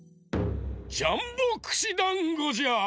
ジャンボくしだんごじゃ！